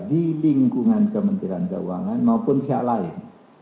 di lingkungan kementerian keuangan maupun pihak lain